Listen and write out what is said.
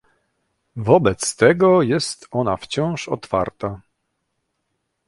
Wobec tego jest ona wciąż otwarta